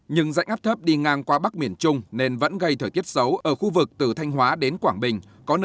nhưng dạnh áp thấp đi ngang qua bắc miền trung nên vẫn gây thời tiết xấu ở khu vực từ thanh hóa đến quảng bình